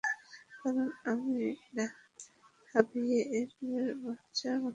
কারণ আমি হাভিয়ের মাচেরানোদের মতো কিছু খেলোয়াড়কে অনেক আগে থেকেই চিনি।